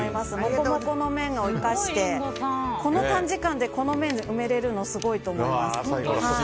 モコモコの面を生かしてこの短時間でこの面を埋められるのすごいと思います。